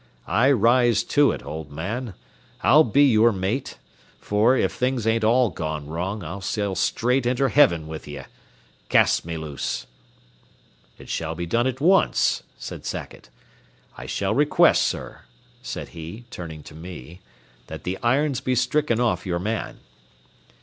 I rise to it, old man. I'll be your mate; for, if things ain't all gone wrong, I'll sail straight inter Heaven with ye. Cast me loose." "It shall be done at once," said Sackett. "I shall request, sir," said he, turning to me, "that the irons be stricken off your man."